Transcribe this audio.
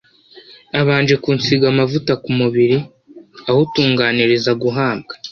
Abanje kunsiga amavuta ku mubiri awutunganiriza guhambwa.»